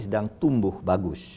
sedang tumbuh bagus